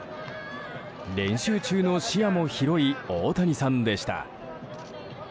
練習中の視野も広い大谷さんでした。